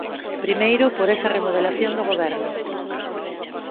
Primeiro, por esa remodelación do Goberno.